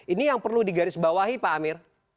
ini yang perlu digarisbawahi pak amir